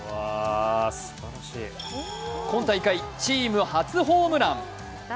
今大会チーム初ホームラン。